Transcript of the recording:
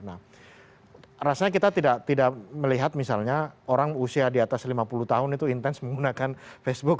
nah rasanya kita tidak melihat misalnya orang usia di atas lima puluh tahun itu intens menggunakan facebook